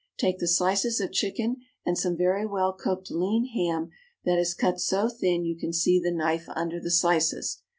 Take the slices of chicken and some very well cooked lean ham that is cut so thin you can see the knife under the slices.